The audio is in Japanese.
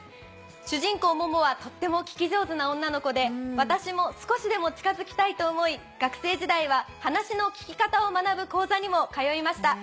主人公モモはとっても聞き上手な女の子で私も少しでも近づきたいと思い学生時代は話の聞き方を学ぶ講座にも通いました。